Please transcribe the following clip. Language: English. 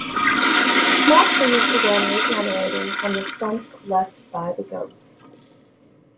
Small trees began regenerating from the stumps left by the goats.